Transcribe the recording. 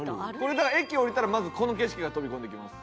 駅降りたらまずこの景色が飛び込んできます。